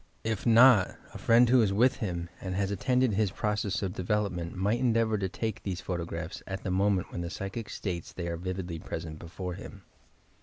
If not, a friend who is with him and has attended his process of development might endeavour to take these photo graphs at the moment when the psychic states they are vividly present before him.